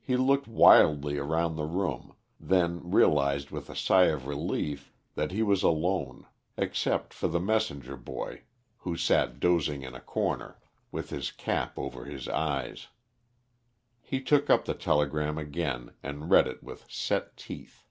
He looked wildly around the room, then realised with a sigh of relief that he was alone, except for the messenger boy who sat dozing in a corner, with his cap over his eyes. He took up the telegram again, and read it with set teeth.